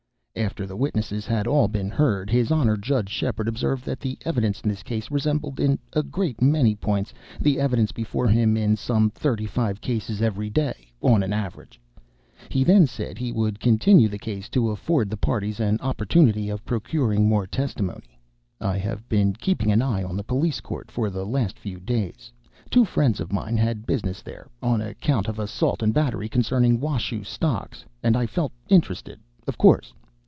After the witnesses had all been heard, his Honor, Judge Sheperd, observed that the evidence in this case resembled, in a great many points, the evidence before him in some thirty five cases every day, on an average. He then said he would continue the case, to afford the parties an opportunity of procuring more testimony. (I have been keeping an eye on the Police Court for the last few days. Two friends of mine had business there, on account of assault and battery concerning Washoe stocks, and I felt interested, of course.)